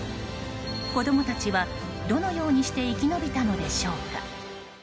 子供たちは、どのようにして生き延びたのでしょうか。